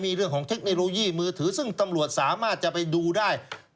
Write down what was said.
มีเรื่องของเทคโนโลยีมือถือซึ่งตำรวจสามารถจะไปดูได้